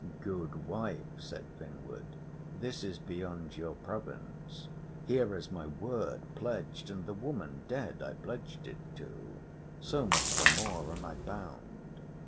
"Good wife," said Finnward, "this is beyond your province. Here is my word pledged and the woman dead I pledged it to. So much the more am I bound.